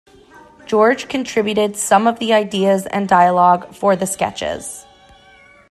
George contributed some of the ideas and dialogue for the sketches.